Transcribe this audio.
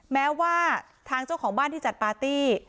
แม้ว่าทางเจ้าของบ้านที่จัดปาร์ตี้